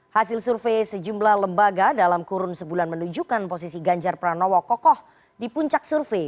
hasil survei sejumlah lembaga dalam kurun sebulan menunjukkan posisi ganjar pranowo kokoh di puncak survei